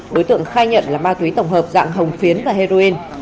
đối tượng khai nhận là ma túy tổng hợp dạng hồng phiến và heroin